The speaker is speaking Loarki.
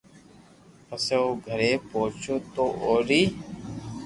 پسي او گھري پوچيو تو اوري